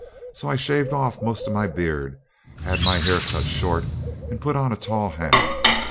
So I shaved off most of my beard, had my hair cut short, and put on a tall hat.